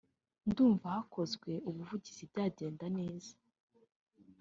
ndumva hakozwe ubuvugizi byagenda neza